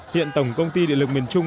hiện tổng công ty địa lực miền trung